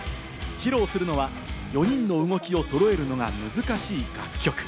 披露するのは４人の動きを揃えるのが難しい楽曲。